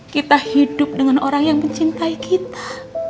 kita hidup dengan orang yang mencintai kita